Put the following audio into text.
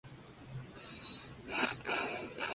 Cola larga completamente cubierta de pelo.